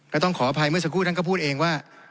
แล้วต้องขออภัยเมื่อสักครู่ท่านก็พูดเองว่า